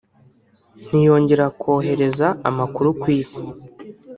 ntiyongera kohereza amakuru ku isi